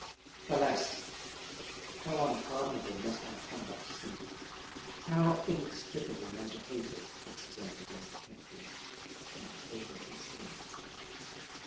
"Alas! how unpardonable must my conduct seem—how inexplicable my behaviour!" exclaimed Lady Hatfield, in a tone of despair.